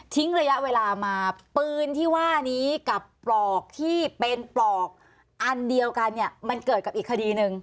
ระยะเวลามาปืนที่ว่านี้กับปลอกที่เป็นปลอกอันเดียวกันเนี่ยมันเกิดกับอีกคดีหนึ่ง